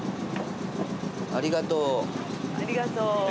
ありがとう。